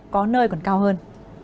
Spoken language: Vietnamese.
có nơi còn cao hơn